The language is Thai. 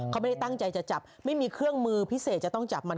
เขาไม่ได้ตั้งใจจะจับไม่มีเครื่องมือพิเศษจะต้องจับมัน